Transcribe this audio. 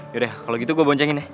yaudah kalo gitu gue boncengin deh